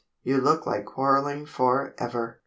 You look like quarrelling for ever."